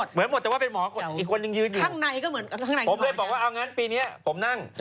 ผมเลยว่าว่าเอ้าเล่นอย่างงี้เอางี้เลยหรอ